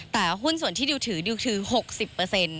แต่หุ้นส่วนที่ดิวถือดิวคือ๖๐